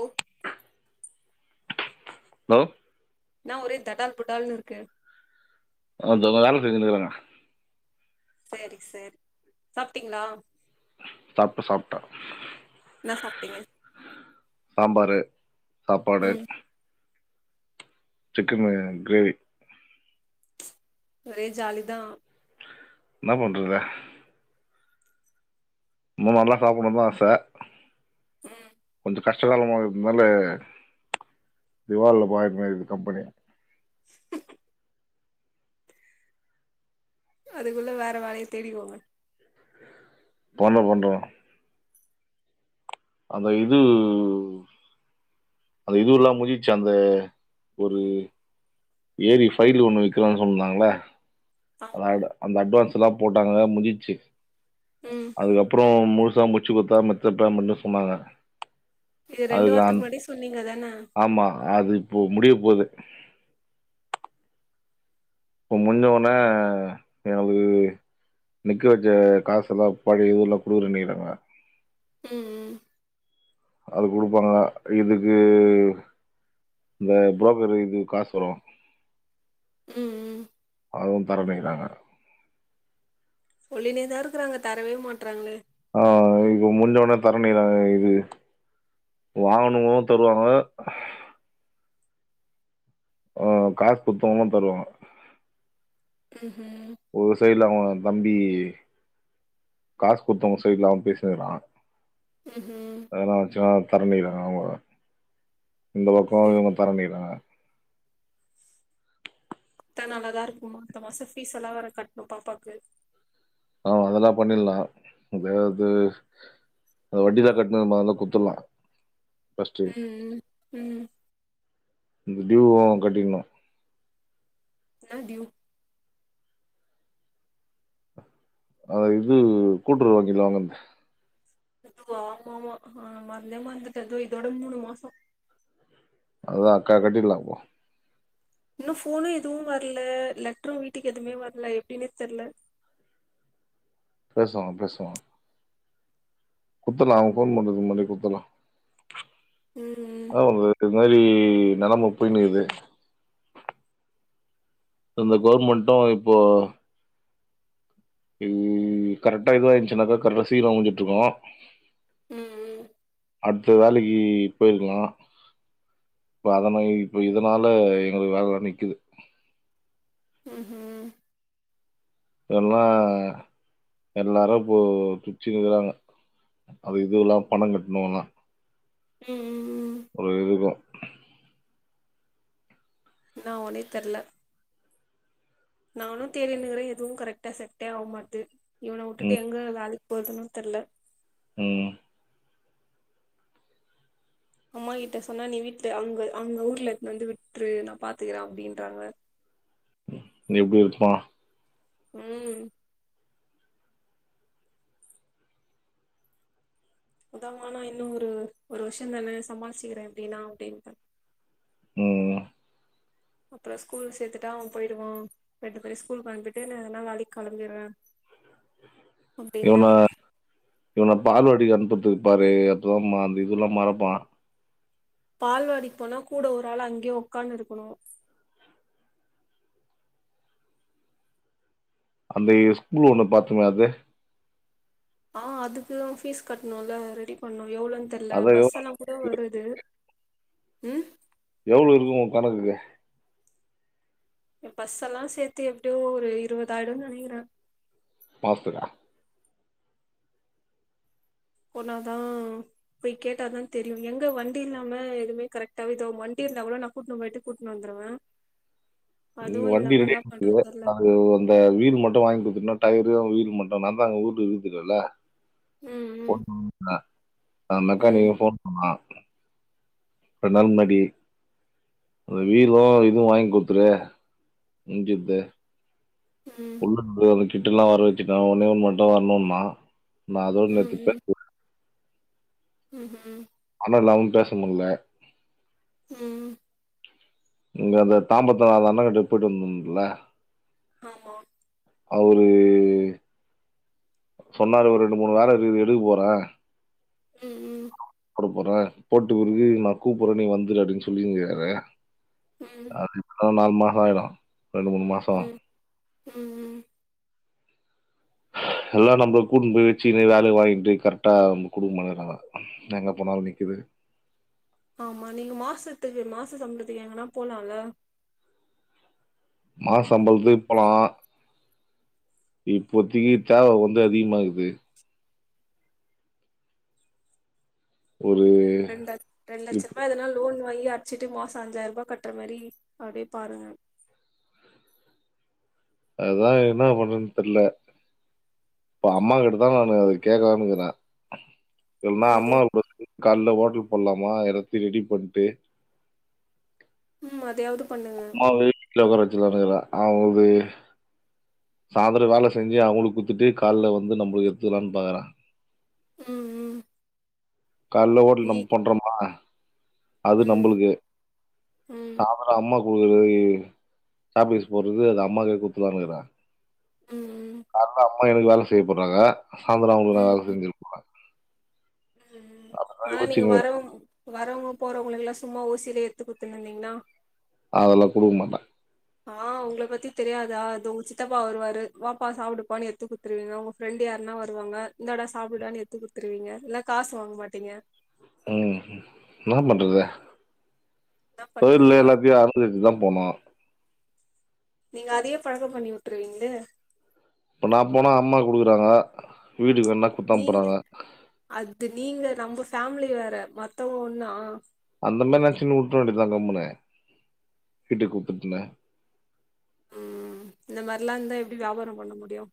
ஒ ஹலோ என்ன ஒரே தடால் புடால்னுருக்கு அது அங்க வேல செஞ்சினுக்றாங்க செரி செரி சாப்ட்டீங்ளா சாப்ட்ட சாப்ட்ட என்ன சாப்ட்டீங்க சாம்பாரு சாப்பாடு ம் சிக்கனு கிரேவி ஒரே ஜாலிதா என்னா பண்றது இன்னோ நல்லா சாப்டணுதா ஆச ம் கஷ்ட காலமா இருந்னால திவால்ல [inaudible] கம்பெனி அதுக்குள்ள வேற வேலைய தேடிக்கோங்க பண்ன பண்ரோ அந்த இது அந்த இதுல்லா முடிஞ்சுச்சு அந்த ஒரு ஏரி [unintelligible] ஒண்ணு விக்கிறாங் சொன்னங்களா ஆ ஆமா அந்த அட்வான்ஸ் எல்லா போட்டாங்கள்ள முடிஞ்சுச்சு ம் அதுக்கப்றோ மு சோ முச்சு குடுத்தா மத்தப் பெமெண்ட்டு சொன்னாங்க இது ரெண்டு வாரத்துக்கு முன்னாடி சொன்னீங் ஆமா அது இப்போ முடிய போது இப்ப முஞ்ச உனே எனக்கு நிக்க வச்ச காச எல்லா பழைய ஊர்ல குடுக்குறனிறாங்க ம் ம் அது குடுப்பாங்க இதுக்கு இந்த புரோக்கரு இது காசு வரு ம் ம் அதுவு தரமைக்கிறாங்க சொல்லினே தா இருக்கிறாங்க தரவே மாட்டறாங்களே ஆ இப்ப முஞ்சொன்னே தரணிக்கறாங்க இது வாங்குனாவங்களு தருவாங்க ஆ காசு குத்தவங்களுக்கு தருவாங்க ம்ஹும் ஒரு செய்டுலா [inaudible] தம்பி காசு குத்தவங்க சைட்ல அவன் பேசனிகிறா ம்ஹும் அதெல்லா ஆக்சுவலா தரணிக்கிறாங்க அவுங்க இந்த பக்கம் சேரி இவுங்க தரணிக்கிறாங்க குத்தா நல்லாதா இருக்கு அத்த மாச ஃபீஸ் எல்லா வேற கட்ணு பாப்பாக்கு ஆ அதெல்லா பண்ணிரலா தோ அது அ வட்டிலா கட்டின்ருந்தமே அதல்லா குத்துலா ம் ம் ம் இந்த ஃடியூவு கட்டிக்கில என்ன ஃடியூ அ இது கூட்டுறவு வங்கில வாங்கனது அதுவா ஆமா ஆமா அ மரந்தே மரந்துட இதோட மூணு மாசோ அது தா அக்கா கட்டிர்லா ப்போ இன்னு போனும் எதுவு வரல லெட்டரு வீட்டுக்கு எதுவுமே வரல எப்டின்னே தெர்ல பேசுவாங்க பேசுவாங்க குத்தரலா அவுங்க போன் பண்றதுக்கு முன்னாடி குத்தரலா ம் அதா [unintelligible] இது மாதிரி நெலம போயனுக்கிது இந்த கவுர்மெண்ட்டு இப்போ இ கரெக்டா இதுவாயிருச் சுன்னாக்க கடைசில முடிஞ்சுட்ருக்கு ம் அட்த்த வேலைக்கு போயிருக்கலா இப்ப அதன இப்ப இதனால எங்களுக்கு வேலை நிக்குது ம் ஹீம் எல்லா எல்லாரு இப்போ பிச்சக்குகிறாங்க அது இதுல்லா பணம் கட்ணுனா ம் ம் ஒரு இருக்கு என்ன ஆவோனே தெர்ல நானு தேடினுக்குறே எதுவு கரெக்டா செட்டே ஆக மாட்டேது இவன விட்டுட்டு ம் எங்க வேலைக்கு போறதுன்னு தெர்ல ம் அம்மா கிட்ட சொன்னா நீ வீட்டு அங்க அங்க ஊர்ல வந்து விட்ரு நா பாத்துக்கிறே அப்டின்றாங்க இங்க எப்டி இருக்கோ ம் உதாவானா என்ன ஒரு ஒரு வருஷந்தானே சமாளுச்சுக்குறே எப்படின்னா அப்டின்டா ம் அப்புற ஸ்கூல் சேத்துட்டா அவன் போயிடுவா ரெண்டு பேரையு ஸ்கூலுக்கு அனுப்பிட்டு நா எனா வேலைக்கு கிளம்பிடுவே இவன இவன பால்வாடிக்கு அனுப்பு பி பாரு அப்பதா ம அந்த இதுல்லா மறப்பா பால்வாடிக் போனா கூட ஒரு ஆள் அங்கயே ஒக்காந்து இருக்கணு அந்த இ ஸ்கூல் ஒண்ணு பாத்துமே அது ஆ அதுக்கு ஃபீஸ் கட்ணுல ரெடி பண்ணு எவ்ளோன்னு தெர்ல அது பஸ் எவ்வளவு எல்லா கூட வருது ம் எவ்ளோ இருக்கு ஒ கணக்குக்கு எ பஸ் எல்லா சேத்து எப்டியோ ஒரு இருவதாயிடுனு நினக்கிறே மாஸ்த்துக்கா போனாதா போய் கேட்டா தா தெரியு எங்க வண்டி இல்லாம எதுமே கரெக்டா வே எதா வண்டி இருந்தா கூட நா கூட்னு போயிட்டு கூட்னு வந்துடுவே இ வண்டி ரெடி [unintelligible] தெர்ல அந்த வீடு மட்டும் வாங்கி குடுத்துட்னா டயரு வீடு மட்டு நா தா ஊட்ட வித்துடேல ம் போன் [unintelligible] அந்த ம் அக்காக்கு போன் பண்ணா கொன்நாளுக் முன்னாடி அந்த வீடு இதுவு வாங்கி குடுத்துரு முஞ்சுது ம் உள்ள [unintelligible] கிட்ட எல்லா வர வச்சுட்டே உனே ஒன்னு மட்டா வரணுனா ம் [unintelligible] ம் ஹீம் நல்லாவு பேச முல்ல ம் இங்க அந்த தாம்பத்தா அந்த அண்ண டு புடியும்ம்ல ஆமா அவரு சொன்னாரு ஒரு ரெண்டு மூணு வேல இருக்குது எடுக்க போறே ம் ம் போட போறே போட்டு ஒரு து நா கூப்புறே நீ வந்துரு அப்டின்னு சொல்லிருங்க்ராரு ம் அது இப்ப நாலு மாச ஆயிரு ம் ம் ம் ஆஹ [unintelligible] எல்லா நம்ப்ள கூட்னு போய் வெச்சுகுனு வேல வாங்கிட்டு கரெக்டா நம் கொடுக்க மாடேன்றாங்க எங்க போனாலு நிக்குது [inaudible] ஆமா நீங்க மாசத்துக்கு மாச சம்பளதுக்கு எங்கன்னா போலால மாசம்பலத்து போலா இப்போத்திக்கி தேவ வந்து அதிகமாகுது ஒரு ரெண்ட ரெண் லட்ச இப் ரூபா எதனா லோனு மையி அச்சிட்டு மாச அஞ்சாயிரரூபா கட்டுற மாரி அப்டியே பாருங்க அதா என்ன பண்றதுன் தெர்ல இப்ப அம்மா கிட்ட தா நானு அது கேக்கலான்னு இருந்தே என்ன என்னது அம்மாவ ஃபஸ்ட்டு கால்ல ஹோட்டல் போட்லாமா எல்லாத்தையு ரெடி பண்ட்டு ம் அதயாவது அம்மாவ வீட்டுல உக்கார வெச்சுட்லானு இருக்கே அவங்க சாயந்தர வேல செஞ்சு அவங்களுக்கு குத்துட்டு கால்ல வந்து நம்பளுக்கு எத்துக்கலான்னு பாக்குற ம் ம் கால்ல ஓட்டல் நீ நம்ம பண்றோமா அது ம் நம்பளுக்கு ம் சாந்தார அம்மாக் போயி ஆஃபீஸ் போறது அது அம்மாக்கே குத்துலான்னு இக்கிறே ம் ம் கால்ல அம்மா எனக்கு வேல செய்யப்போறாங்க சாயந்திர அவங்களுக்கு ம் வேல ம் செஞ்சு போறாங்க ம் ஆனா நீங்க இருக்கிறேன். வரவங் வரவங்க போறவங்கல்லலா சும்மா ஓசில எத்து குத்துன்னு இருந்தீங்கனா அதெல்லா குடுக்க மாட்டே ஆ உங்கள பத்தி தெரியாதா தோ உங்க சித்தப்பா வருவாரு வாப்பா சாப்புடுப்பான்னு எத்து குடுத்துருவீங்க உங்க ஃப்ரெண்டு யாருன்னா அ வருவாங்க இந்தா டா சாப்புடான்னு எத்துக் கொடுத்துருவீங்க இல்ல காசு வாங்க மாட்டீங்க ம் என்ன பண்றது என்ன தொழில்ல பண்றதுன்னா எல்லாத்தையு அனுசரிச்சு தா போமா நீங்க அதையே பழக்க பண்ணி விட்ருவீங்களே இப்ப நா போனா அம்மா குடுக்குறாங்க வீட்டுக்கு வேனா குத்து நீங்க அனுப்புறாங்க அது நீங்க நம்ம ஃபேமிலி வேற மத்தவங்க ஒன்னா அந்த மாரி நச்சினு உட்ர வேண்டியதா கம்முனு வீட்டுக் கூப்புட்டுனு ம் இந்த மாரிலா இருந்தா எப்டி வியாபாரோ பண்ண முடியு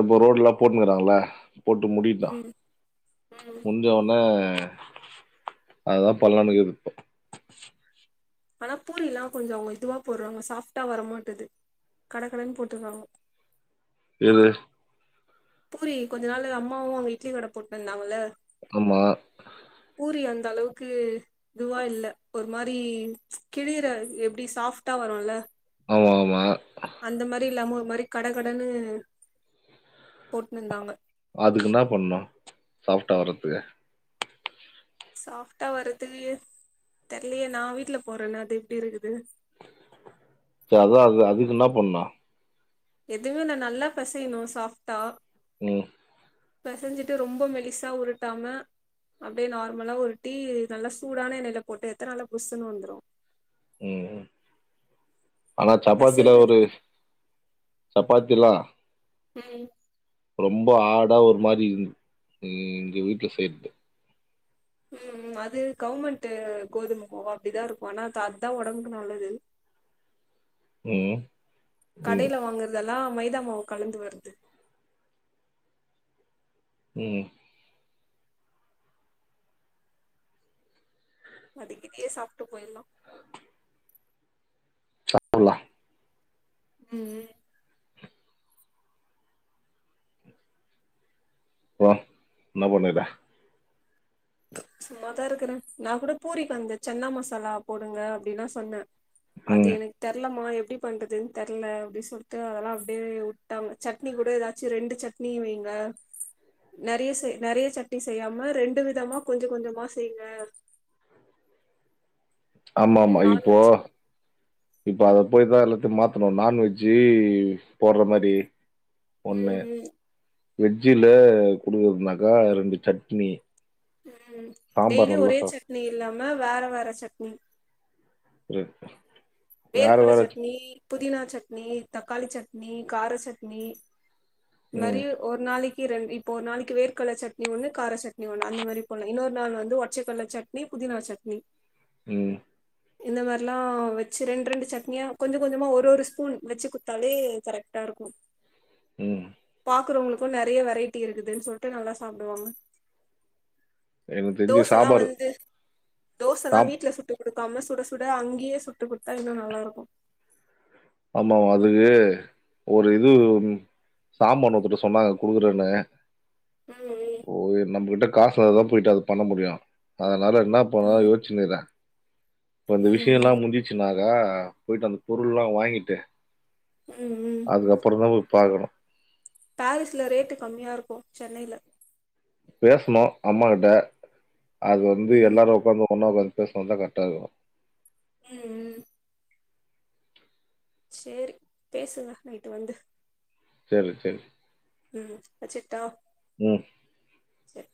இப்போ ரோட்ல்லா போட்டுன்குறாங்கள போட்டு முடிக்கட்டு ம் ம் முஞ்ச ஒனே அதுதா பண்லானு இருக்குது இப்ப ஆனா பூரில்லா கொஞ்சோ அவங்க இதுவா போடுறாங்க சாஃப்ட்டா வரமாட்டேது கடகடன்னு போட்டுர்றாங்க எது பூரி கொஞ்ச நாள் அம்மாவு அங்க இட்லி கட போட்னு இருந்தாங்கள்ல அமா பூரி அந்த அளவுக்கு இதுவா இல்ல ஒரு மாரி கிளியிர எப்டி சாஃப்ட்டா வரோல ஆமா, ஆமா. அந்த மாரி இல்லாம ஒரு மாரி கடகடன்னு போட்னு இருந்தாங்க அதுக்கு இன்னா பண்ணு சாஃப்ட்டா வரதுக்கு சாஃப்ட்டா வர்றதுக்கு தெர்லையே நா வீட்டுல போட்றேன்னே அது எப்டி இருக்குது சோ அதா அது அதுக்கு என்ன பண்ணோ எதுகுனு நல்லா பசையணு சாஃப்ட்டா ம் பெசஞ்சிட்டு ரொம்ப மெலிசா உருட்டாம அப்டியே நார்மலா உருட்டி நல்லா சூடான எண்ணையில போட்டு எத்த நல்லா புஸ்ஸுன்னு வந்துரு ம் ம் ஆனா சப்பாத்திலா ஒரு பெசைறதுதா சப் பாத்திலா ம் ரொம்ப ஆடா ஒரு மாரி இந் இங்க வீட்ல செய்றது ம் ம் அது கவுமெண்ட் கோதும மாவு அப்படிதா இருக்கு ஆனா அதுதா உடம்புக்கு நல்லது ம் ம் எல்லா மைதாமாவு கலந்து வருது ம் அதுக்கு இதையே சாப்ட்டு போயிலா [unintelligible] ம் போ என்ன பண்ணுர சும்மாதா இருக்றே நா கூட பூரிக்கு வந்த சன்னா மசாலா போடுங்க அப்படின்ல்லா சொன்னே அது ம் எனக்கு தெர்லமா எப் எப்டி பண்றதுன்னு தெர்ல அப்டனு சொல்லிட்டு அதெல்லா அப்டியே உட்டாங்க சட்னி கூட எதாச்சு ரெண்டு சட்னி வைங்க அ நறைய நறைய சட்னி செய்யாம ரெண்டு விதமா கொஞ்ச கொஞ்சமா செய்ங்க ஆமா ஆமா அப்டின்னு இப்போ நான்வெஜ் இப்போ அத போய்தா எல்லாத்தையு மாத்தணு நான்வெஜ்ஜு போட்ற மாறி ம் ம் வெஜ்ஜுல குடுக்கறதுனாக்கா ரெண்டு சட்னி ம் சாம்பார் டெய்லி நல்லா ஒரே சட்னி இல்லாம வேற வேற சட்னி [unintelligible] வேற வேர்க்கடல வேற சட்னி புதினா சட்னி தக்காளி சட்னி கார சட்னி இத் மாரி ம் ஒரு நாளைக் இ ரெண்டு இப்ப ஒரு நாளைக்கு வேர்கல்ல சட்னி ஒன்னு‌ கார சட்னி ஒண்ணு அந்த மாறி போல இன்னொரு நாள் வந்து ஒட்ச்ச கல்ல சட்னி பு புதினாச்சட்னி ம் இந்த மாறிலா வச் வெச்சு ரெண்டு ரெண்டு சட்னியா கொஞ்ச கொஞ்சமா ஒரு ஒரு ஸ்பூன் வெச்சு குட்த்தாலே கரெக்டா இருக்கு ம் பாக்கறவங்களுக்கு நெறைய வெரைட்டி இருக்குதுன்னு சொல்ட்டு நல்லா சாப்டுவாங்க எனக்கு தெரிஞ்சு தோசல்லா சாம்பார் வந்து தோசல்லா சாம் வீட்ல சுட்டு குடுக்காம சுட சுட அங்கயே சுட்டு குட்த்தா இன்னு நல்லா இருக்கு ஆமாமா அது‌ ஒரு இது சாம்பன் ஒருத்தட்ட சொன்னாங்க குடுக்குறேன்னு ம் போய் நம்மகிட்ட காசு அத போயிட்டு அது பண்ண முடியு அதனால என்ன பண்லா யோச்சுனு இக்குறே இப்ப இந்த விஷய எல்லா ம் முஞ்சிச்சுனாக்கா போயிட்டு அந்த பொருளல்லா வாங்கிட்டு ம் ம் அதுக்கப்புறந்தா போய் பாக்கணு பேரிஸ்ல ரேட்டு கம்மியா இருக்கு சென்னைல பேசனு அம்மா கிட்ட அது வந்து ம் எல்லாரு உக்காந்து ஒன்னா உக்காந்து பேசுனா தா கர்ட்டா இர்க்கு ம் ம் சேரி பேசுங்க நைட்டு வந்து சேரி சேரி ம் வச்சுட்டா ம் சரி